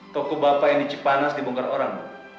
toko bapak yang dicipanas dibongkar orang